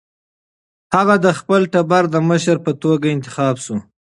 هغه د خپل ټبر د مشر په توګه انتخاب شو.